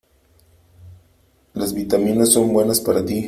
Las vitaminas son buenas para tí.